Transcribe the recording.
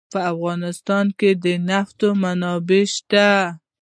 په افغانستان کې د نفت منابع شته.